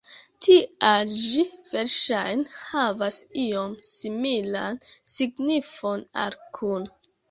Tial ĝi verŝajne havas iom similan signifon al kun.